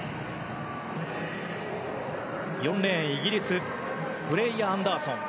４レーン、イギリスフレイヤ・アンダーソン。